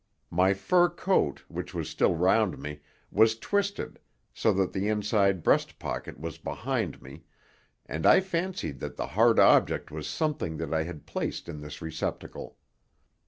My fur coat, which was still round me, was twisted, so that the inside breast pocket was behind me, and I fancied that the hard object was something that I had placed in this receptacle.